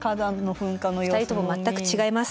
２人とも全く違います。